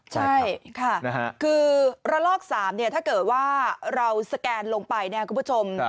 ใช่ค่ะคือระลอก๓ถ้าเกิดว่าเราสแกนลงไปเนี่ยคุณผู้ชม